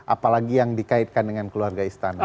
apalagi yang dikaitkan dengan keluarga istana